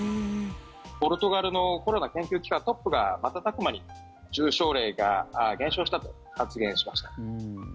ポルトガルのコロナ研究機関トップが瞬く間に重症例が減少したと発言しました。